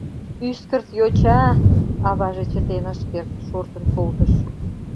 — Ӱскырт йоча! — аваже чытен ыш керт, шортын колтыш.